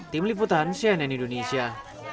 tim liputan cnn indonesia